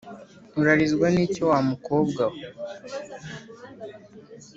Urarizwa niki wa mukobwa we